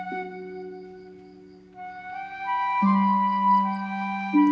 neng mah kayak gini